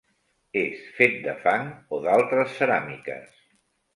És fet de fang o d'altres ceràmiques.